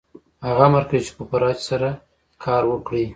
هغه امر کوي چې په پوره هڅې سره کار وکړئ